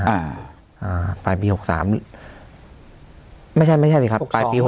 อ่าปลายปี๖๓ไม่ใช่ปลายปี๖๒ครับ